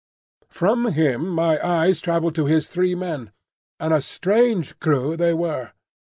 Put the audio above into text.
From him my eyes travelled to his three men; and a strange crew they were.